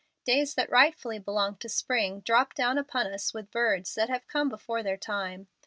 Days that rightfully belong to spring drop down upon us with birds that have come before their time.